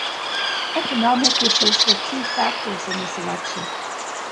Economic issues were key factors in this election.